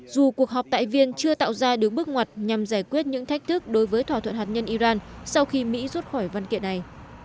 dù cuộc họp tại viên chưa tạo ra đứng bước ngoặt nhằm giải quyết những thách thức đối với thỏa thuận hạt nhân iran sau khi mỹ rút khỏi văn kiện này